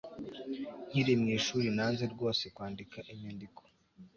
Nkiri mwishuri nanze rwose kwandika inyandiko